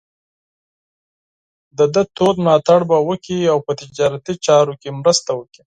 د ده تود ملاتړ به وکړي او په تجارتي چارو کې مرسته وکړي.